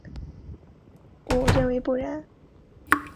我认为不然。